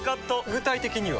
具体的には？